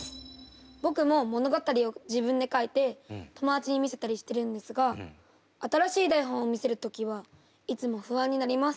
僕も物語を自分で書いて友達に見せたりしてるんですが新しい台本を見せる時はいつも不安になります。